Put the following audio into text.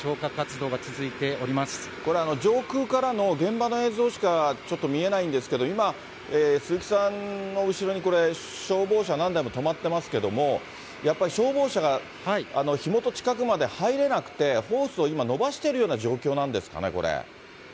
これ、上空からの現場の映像しかちょっと見えないんですけど、今、鈴木さんの後ろに消防車何台も止まってますけど、やっぱり消防車が火元近くまで入れなくて、ホースを今伸ばしてるような状況なんですかね、これ。